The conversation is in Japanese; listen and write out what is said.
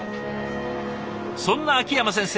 そんな秋山先生